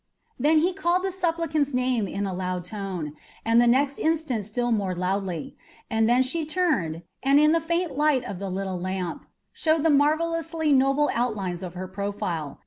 Then he called the supplicant's name loud tone, and the next instant still more loudly; and now she turned, and, in the faint light of the little lamp, showed the marvellously noble outlines of her profile.